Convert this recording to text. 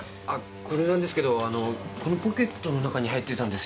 これなんですけどこのポケットの中に入ってたんですよ。